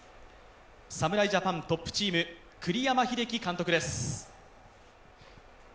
侍ジャパントップチーム栗山英樹監督です。